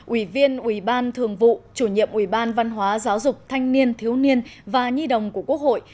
ủy viên ủy ban thường vụ chủ nhiệm ủy ban văn hóa giáo dục thanh niên thiếu niên và nhi đồng của quốc hội